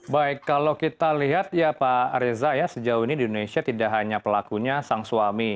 baik kalau kita lihat ya pak reza ya sejauh ini di indonesia tidak hanya pelakunya sang suami